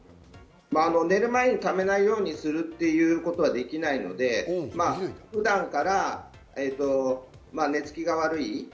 寝る前にためないようにするということはできないので、普段から寝つきが悪い、